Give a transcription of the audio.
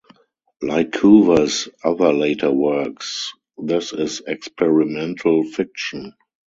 Like Coover's other later works, this is experimental fiction.